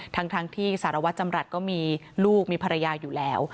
ทั้งที่สารวัตรจำรัฐก็มีลูกมีภรรยาอยู่แล้ว